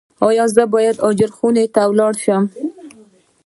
ایا زه باید عاجل خونې ته لاړ شم؟